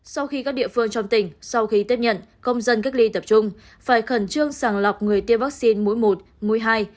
sau khi các địa phương trong tỉnh sau khi tiếp nhận công dân cách ly tập trung phải khẩn trương sàng lọc người tiêm vaccine mũi một mũi hai